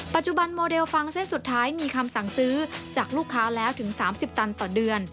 โมเดลฟังเส้นสุดท้ายมีคำสั่งซื้อจากลูกค้าแล้วถึง๓๐ตันต่อเดือน